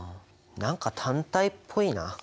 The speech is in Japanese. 何か単体っぽいな。